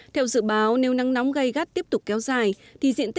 theo dự báo nếu nắng nóng gai gắt tiếp tục kéo dài